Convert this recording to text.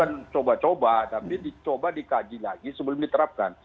bukan coba coba tapi coba dikaji lagi sebelum diterapkan